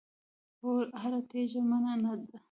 هره تېږه من نه ده.